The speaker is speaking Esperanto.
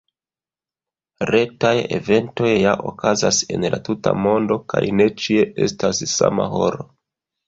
Retaj eventoj ja okazas en la tuta mondo kaj ne ĉie estas sama horo.